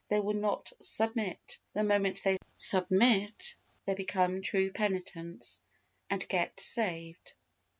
They will not submit. The moment they submit, they become true penitents, and get saved.